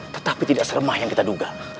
tetapi tidak seremah yang kita duga